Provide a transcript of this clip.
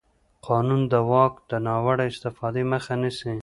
قانون د واک د ناوړه استفادې مخه نیسي.